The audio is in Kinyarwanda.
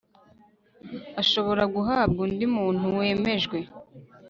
ashobora guhabwa undi muntu wemejwe